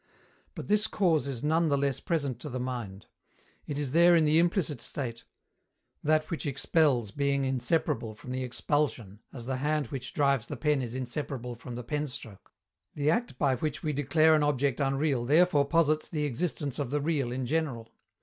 But this cause is none the less present to the mind; it is there in the implicit state, that which expels being inseparable from the expulsion as the hand which drives the pen is inseparable from the pen stroke. The act by which we declare an object unreal therefore posits the existence of the real in general.